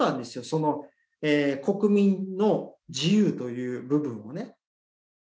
その国民の自由という部分をね。